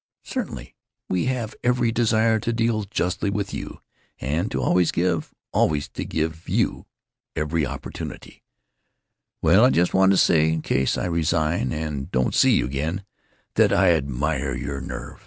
"Certainly. We have every desire to deal justly with you, and to always give—always to give you every opportunity——" "Well, I just wanted to say, in case I resign and don't see you again, that I admire you for your nerve.